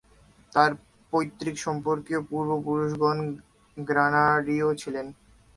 তাঁর পৈতৃকসম্পর্কীয় পূর্ব-পুরুষগণ গ্রানাডীয় ছিলেন।